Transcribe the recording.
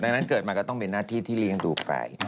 ดังนั้นเกิดมาก็ต้องเป็นหน้าที่ที่เลี้ยงดูไป